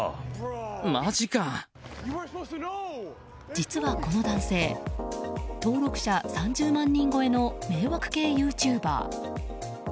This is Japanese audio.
実は、この男性登録者３０万人超えの迷惑系ユーチューバー。